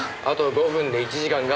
あと５分で１時間。